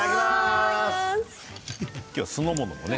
今日は酢の物ね。